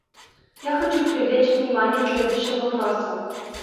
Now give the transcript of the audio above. Я хочу привлечь внимание к следующим вопросам.